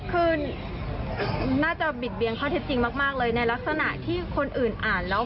คือน่าจะบิดเบียงข้อเท็จจริงมากเลยในลักษณะที่คนอื่นอ่านแล้ว